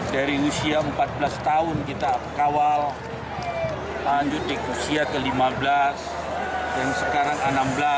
dari usia empat belas tahun kita kawal lanjut di usia ke lima belas yang sekarang a enam belas